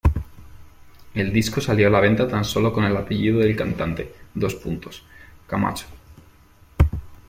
El disco salió a la venta tan sólo con el apellido del cantante: "Camacho".